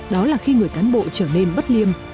đó là khi người cán bộ trở nên bất liêm